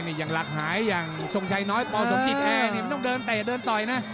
เราไม่ต้องเดินเตะเดินต่อยนะ